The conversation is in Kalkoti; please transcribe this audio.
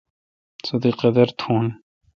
سو تی قادر تھون۔